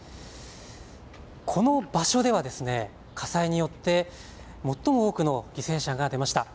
この場所では火災によって最も多くの犠牲者が出ました。